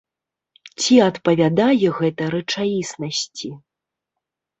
Ці адпавядае гэта рэчаіснасці?